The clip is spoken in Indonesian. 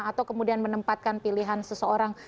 atau kemudian menempatkan pilihan seseorang